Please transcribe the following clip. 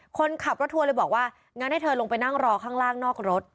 คนขับรถทัวร์เลยบอกว่างั้นให้เธอลงไปนั่งรอข้างล่างนอกรถ